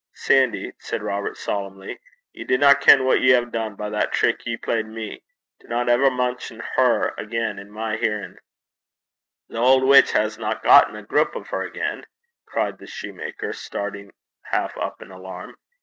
'Sandy,' said Robert, solemnly, 'ye dinna ken what ye hae dune by that trick ye played me. Dinna ever mention her again i' my hearin'.' 'The auld witch hasna gotten a grup o' her again?' cried the shoemaker, starting half up in alarm.